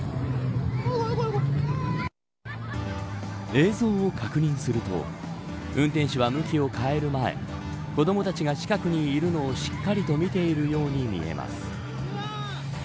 映像を確認すると運転手は向きを変える前子どもたちが近くにいるのをしっかりと見ているように見えます。